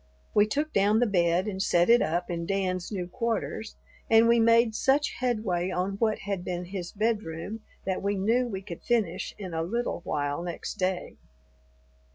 We took down the bed and set it up in Dan's new quarters, and we made such headway on what had been his bedroom that we knew we could finish in a little while next day.